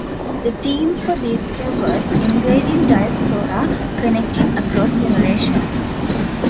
The Theme for this year was "Engaging Diaspora: Connecting Across Generations".